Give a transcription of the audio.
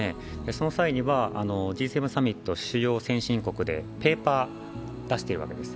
その際には、Ｇ７サミット主要先進国でペーパー出しているわけです。